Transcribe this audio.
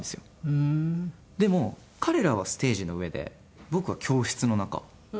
でも彼らはステージの上で僕は教室の中。